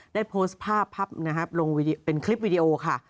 ได้โพสต์ภาพเป็นคลิปวีดีโอค่ะ